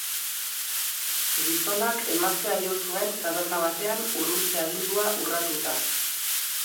Gizonak emaztea jo zuen taberna batean urruntze agindua urratuta.